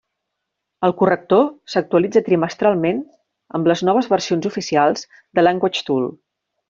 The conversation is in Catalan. El corrector s'actualitza trimestralment amb les noves versions oficials de LanguageTool.